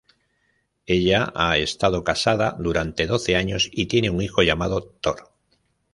Ella ha estado casada durante doce años y tiene un hijo, llamado Thor.